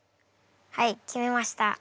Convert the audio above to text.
はい決めました。